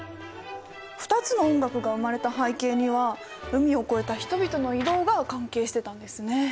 ２つの音楽が生まれた背景には海を越えた人々の移動が関係してたんですね。